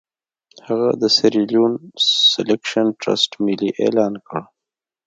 هغه د سیریلیون سیلکشن ټرست ملي اعلان کړ.